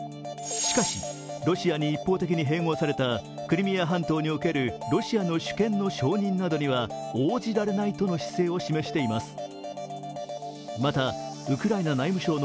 しかしロシアに一方的に併合されたクリミア半島におけるロシアの主権の承認などには応じられないとの姿勢を示しています。